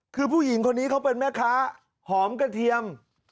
คือผู้หญิงคนนี้เขาเป็นแม่ค้าหอมกระเทียม